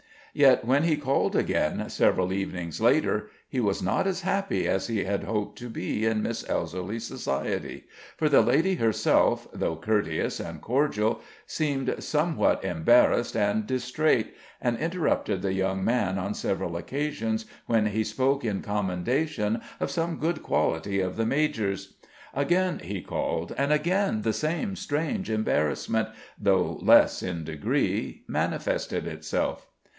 Yet, when he called again, several evenings later, he was not as happy as he had hoped to be in Miss Elserly's society, for the lady herself, though courteous and cordial, seemed somewhat embarrassed and distrait, and interrupted the young man on several occasions when he spoke in commendation of some good quality of the major's. Again he called, and again the same strange embarrassment, though less in degree, manifested itself.